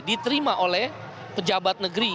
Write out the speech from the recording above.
diterima oleh pejabat negeri